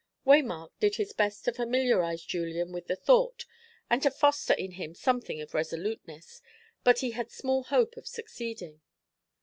Waymark did his best to familiarise Julian with the thought, and to foster in him something of resoluteness, but he had small hope of succeeding.